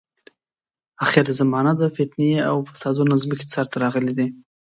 اخره زمانه ده، فتنې او فسادونه د ځمکې سر ته راغلي دي.